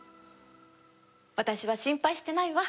私は心配してないわ。